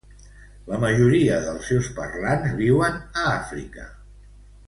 La majoria dels seus parlants viuen a Àfrica.